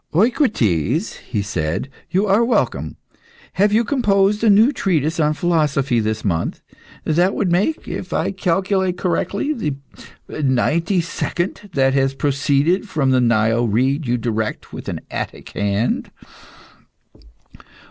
"Eucrites," he said, "you are welcome. Have you composed a new treatise on philosophy this month? That would make, if I calculate correctly, the ninety second that has proceeded from the Nile reed you direct with an Attic hand."